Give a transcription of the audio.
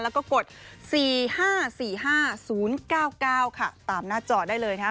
แล้วก็กด๔๕๔๕๐๙๙ค่ะตามหน้าจอได้เลยนะคะ